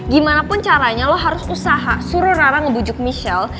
gimanapun caranya lo harus usaha suruh rara ngebujuk michelle